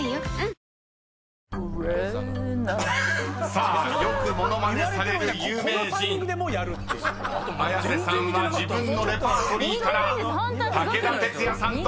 ［さあよく物まねされる有名人綾瀬さんは自分のレパートリーから武田鉄矢さんと解答］